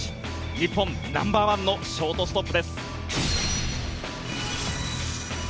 日本ナンバーワンのショートストップです。